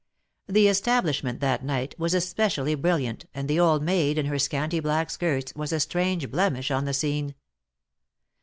The es tablishment that night was especially brilliant, and the old maid in her scanty black skirts was a strange blemish on the scene.